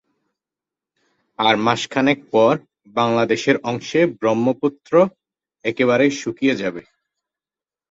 আর মাসখানেক পর বাংলাদেশর অংশে ব্রহ্মপুত্র একেবারেই শুকিয়ে যাবে।